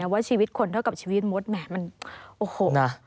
ว่าชีวิตคนเท่ากับชีวิตมดแหมมันโอ้โหนะ